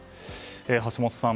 橋下さん